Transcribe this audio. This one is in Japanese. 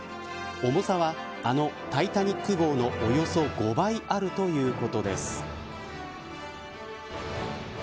重さはあのタイタニック号のおよそ５倍あるということです。